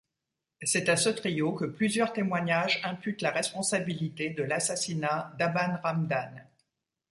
C'est à ce trio que plusieurs témoignages imputent la responsabilité de l'assassinat d'Abane Ramdane.